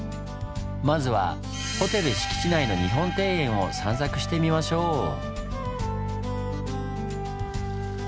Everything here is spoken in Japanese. まずはホテル敷地内の日本庭園を散策してみましょう。